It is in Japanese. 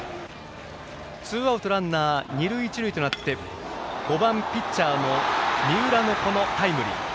ツーアウトランナー、二塁一塁となって５番、ピッチャーの三浦のタイムリー。